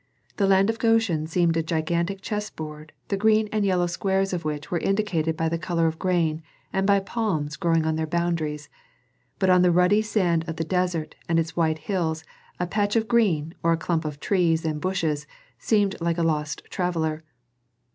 The land of Goshen seemed a gigantic chessboard the green and yellow squares of which were indicated by the color of grain and by palms growing on their boundaries; but on the ruddy sand of the desert and its white hills a patch of green or a clump of trees and bushes seemed like a lost traveller.